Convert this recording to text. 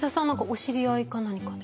お知り合いか何かで？